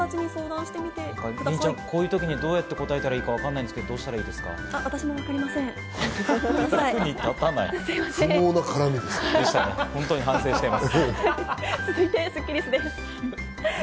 こういう時にどうやって答えたらいいかわからないんですけれどもどうしたらいいですか？